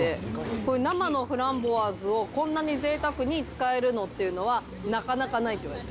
こういう生のフランボワーズをこんなにぜいたくに使えるのっていうのは、なかなかないっていわれて。